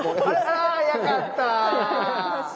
あ早かった。